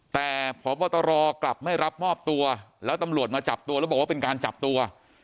แต่พบตรกลับไม่รับมอบตัวแล้วตำรวจมาจับตัวแล้วบอกว่าเป็นการจับตัว